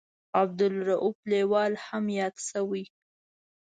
عبدالرووف لیوال هم یاد شوی.